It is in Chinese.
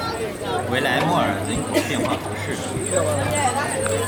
维莱莫尔人口变化图示